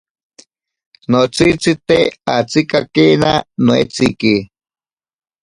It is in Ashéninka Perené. Notsitsite atsikakena noeitsiki.